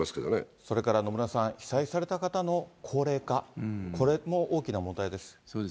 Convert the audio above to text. それから野村さん、被災された方の高齢化、これも大きな問題です。